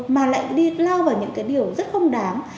mà lại đi lao vào những cái điều rất không đáng